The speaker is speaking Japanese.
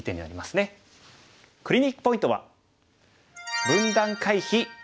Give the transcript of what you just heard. クリニックポイントは。